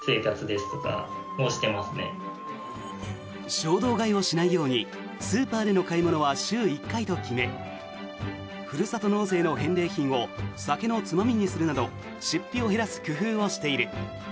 衝動買いをしないようにスーパーでの買い物は週１回と決めふるさと納税の返礼品を酒のつまみにするなど出費を減らす工夫をしている。